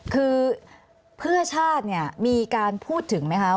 คือเพื่อชาติเนี่ยมีการพูดถึงไหมคะ